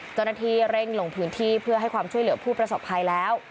เจ้าหน้าที่เร่งลงพื้นที่เพื่อให้ความช่วยเหลือผู้ประสบภัยแล้ว